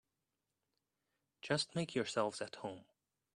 Just make yourselves at home.